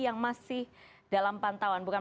yang masih dalam pantauan bukan